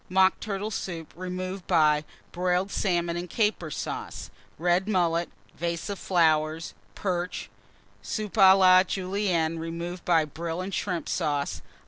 _ Mock Turtle Soup, removed by Broiled Salmon and Caper Sauce. Red Mullet. Vase of Perch. Flowers. Soup à la Julienne, removed by Brill and Shrimp Sauce.